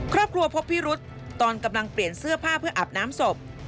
พบพิรุษตอนกำลังเปลี่ยนเสื้อผ้าเพื่ออาบน้ำศพ